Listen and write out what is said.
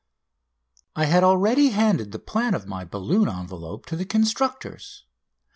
I had already handed the plan of my balloon envelope to the constructors.